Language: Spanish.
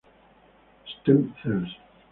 Stem Cells.